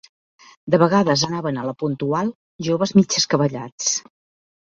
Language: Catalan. De vegades anaven a «La Puntual» joves mig escabellats